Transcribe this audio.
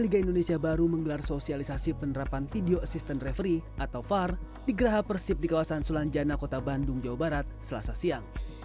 liga indonesia baru menggelar sosialisasi penerapan video assistant referee atau var di geraha persib di kawasan sulanjana kota bandung jawa barat selasa siang